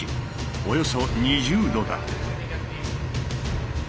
およそ２０度だ。